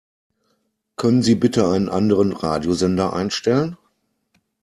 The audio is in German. Können Sie bitte einen anderen Radiosender einstellen?